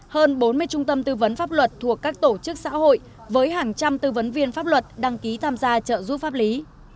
hơn bốn mươi trung tâm tư vấn pháp luật thuộc các tổ chức xã hội với hàng trăm tư vấn viên pháp luật đăng ký tham gia trợ giúp pháp lý